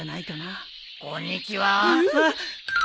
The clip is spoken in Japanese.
・こんにちはー。